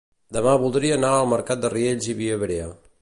Demà voldria anar al mercat de Riells i Viabrea